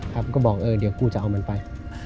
ครับก็บอกเดี๋ยวกูจะเอามันไว้